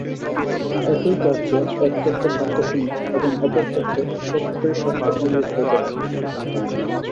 একই কার্য এক ক্ষেত্রে স্বার্থশূন্য এবং অপর ক্ষেত্রে সত্যই স্বার্থপ্রণোদিত হইতে পারে।